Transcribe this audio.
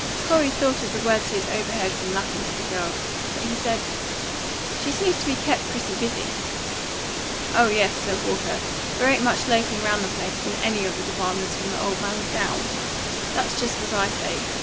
Corey thought of the words he had overheard from Lapham to the girl. But he said, "She seems to be kept pretty busy." "Oh yes," said Walker; "there ain't much loafing round the place, in any of the departments, from the old man's down. That's just what I say.